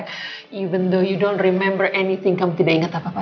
meskipun kamu tidak ingat apa apa kamu tidak ingat apa apa